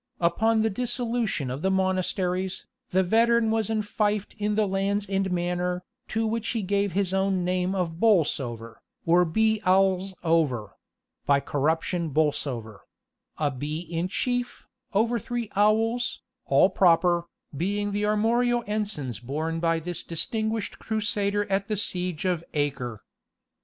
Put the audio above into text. Upon the dissolution of the monasteries, the veteran was enfeoffed in the lands and manor, to which he gave his own name of Bowlsover, or Bee owls over (by corruption Bolsover) a Bee in chief, over three Owls, all proper, being the armorial ensigns borne by this distinguished crusader at the siege of Acre."